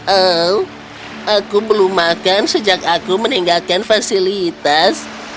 oh aku belum makan sejak aku meninggalkan fasilitas